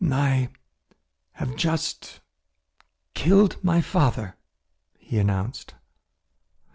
"I have just killed my father," he announced.